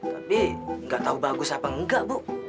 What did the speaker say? tapi gak tau bagus apa engga bu